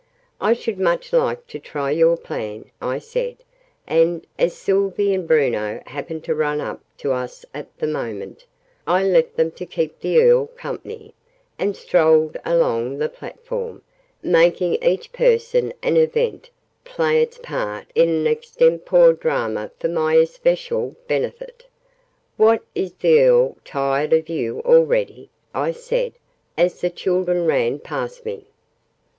"I should much like to try your plan," I said, and, as Sylvie and Bruno happened to run up to us at the moment, I left them to keep the Earl company, and strolled along the platform, making each person and event play its part in an extempore drama for my especial benefit. "What, is the Earl tired of you already?" I said, as the children ran past me.